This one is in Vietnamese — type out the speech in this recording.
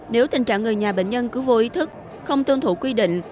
nếu tình trạng người nhà bệnh nhân cứ vô ý thức không tuân thủ quy định